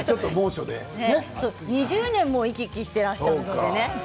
２０年も行き来してらっしゃるのでね。